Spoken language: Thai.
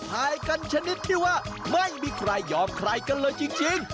ถ่ายกันชนิดที่ว่าไม่มีใครยอมใครกันเลยจริง